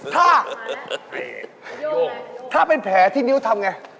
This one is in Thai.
ถ้าถ้าเป็นแผลที่นิ้วทำไง